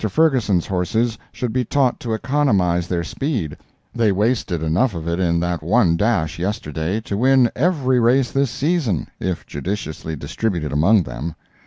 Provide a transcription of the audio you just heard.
Ferguson's horses should be taught to economize their speed; they wasted enough of it in that one dash, yesterday, to win every race this season, if judiciously distributed among them.